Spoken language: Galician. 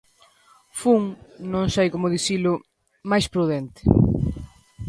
Fun, non sei como dicilo... máis prudente.